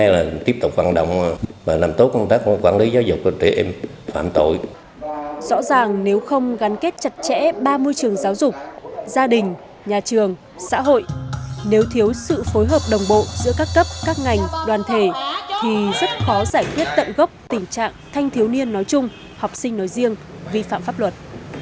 rõ ràng nếu không gắn kết chặt chẽ ba mươi trường giáo dục gia đình nhà trường xã hội nếu thiếu sự phối hợp đồng bộ giữa các cấp các ngành đoàn thể thì rất khó giải quyết tận gốc tình trạng thanh thiếu niên nói chung học sinh nói riêng vi phạm pháp luật